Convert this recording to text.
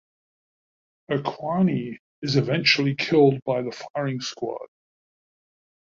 Haqqani is eventually killed by firing squad.